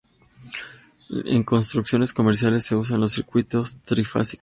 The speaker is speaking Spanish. En construcciones comerciales, se usan los circuitos trifásicos.